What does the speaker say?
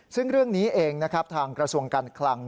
ซึ่งเรื่องนี้เองนะครับทางกระทรวงการคลัง